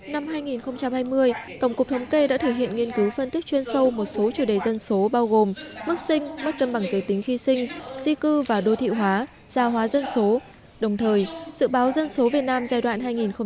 năm hai nghìn hai mươi tổng cục thống kê đã thể hiện nghiên cứu phân tích chuyên sâu một số chủ đề dân số bao gồm mức sinh mức cân bằng giới tính khi sinh di cư và đô thị hóa gia hóa dân số đồng thời dự báo dân số việt nam giai đoạn hai nghìn hai mươi một hai nghìn ba mươi